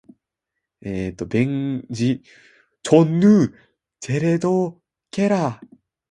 便于阅读